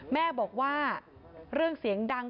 แม่บอกว่าเรื่องเสียงดัง